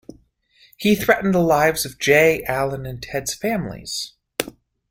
He threatened the lives of Jay, Alan, and Ted's families.